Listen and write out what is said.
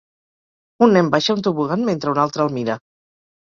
Un nen baixa un tobogan mentre un altre el mira.